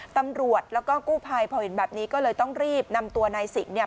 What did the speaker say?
ตำรวจแล้วก็กู้ภัยพอเห็นแบบนี้ก็เลยต้องรีบนำตัวนายสิงห์เนี่ย